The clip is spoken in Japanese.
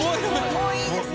もういいですよ。